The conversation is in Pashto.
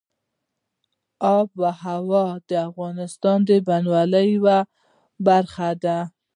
آب وهوا د افغانستان د بڼوالۍ یوه برخه ده.